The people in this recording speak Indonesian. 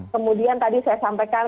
kemudian tadi saya sampaikan